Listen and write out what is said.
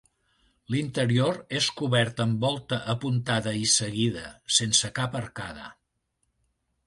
L'interior és cobert amb volta apuntada i seguida, sense cap arcada.